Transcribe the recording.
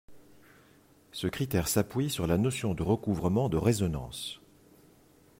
Ce critère s'appuie sur la notion de recouvrement de résonances